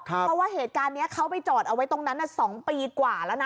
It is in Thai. เพราะว่าเหตุการณ์นี้เขาไปจอดเอาไว้ตรงนั้น๒ปีกว่าแล้วนะ